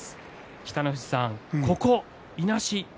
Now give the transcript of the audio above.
北の富士さん、ここいなし。